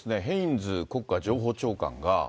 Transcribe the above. ヘインズ国家情報長官が。